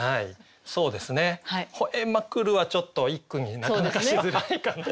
そうですね「吠えまくる」はちょっと一句になかなかしづらいかなと。